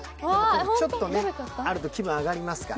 ちょっとね、あると気分、上がりますから。